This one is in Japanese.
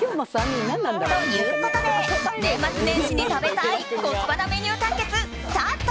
ということで年末年始に食べたいコスパなメニュー対決スタート！